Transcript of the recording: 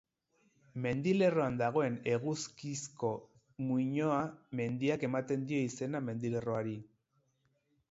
Mendilerroan dagoen Eguzkizko muinoa mendiak ematen dio izena mendilerroari.